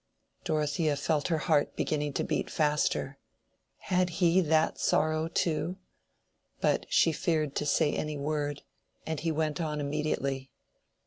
Dorothea felt her heart beginning to beat faster. Had he that sorrow too? But she feared to say any word, and he went on immediately.